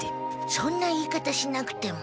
そんな言い方しなくても。